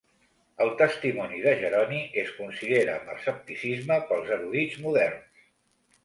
El testimoni de Jeroni es considera amb escepticisme pels erudits moderns.